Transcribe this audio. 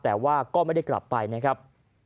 แต่ว่าก็ไม่ได้กลับไปนะครับ